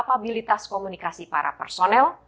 dan kapabilitas komunikasi para personel